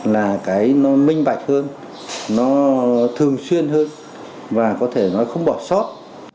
là cái nó minh bạch hơn nó thường xuyên hơn và có thể nói không bỏ sót